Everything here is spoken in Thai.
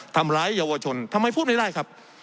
ทำร้ายเยาวชนทำไมพูดไม่ได้ครับ